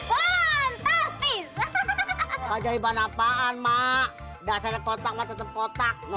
fantastis ajaiban apaan mak dasar kotak kotak